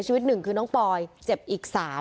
ชีวิต๑คือน้องปอยเจ็บอีก๓